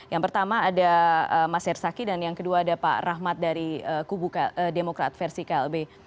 yang pertama ada mas hersaki dan yang kedua ada pak rahmat dari kubu demokrat versi klb